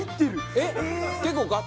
えっ！